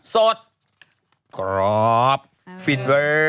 สดกรอบฟินเวอร์